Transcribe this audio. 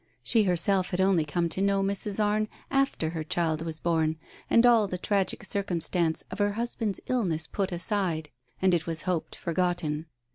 She herself had only come to know Mrs. Arne after her child was born, and all the tragic circumstances of her hus band's illness put aside, and it was hoped forgotten.